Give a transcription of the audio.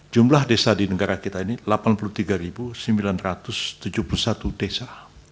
jumlah desa di negara kita ini delapan puluh tiga sembilan ratus tujuh puluh satu desa